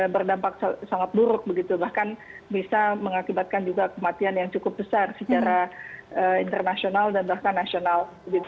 berdampak sangat buruk begitu bahkan bisa mengakibatkan juga kematian yang cukup besar secara internasional dan bahkan nasional